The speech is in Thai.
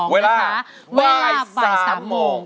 เวลา๕บาท๓โมง